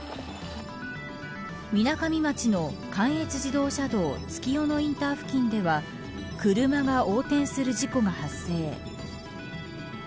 みなかみ町の関越自動車道月夜野インター付近では車が横転する事故が発生。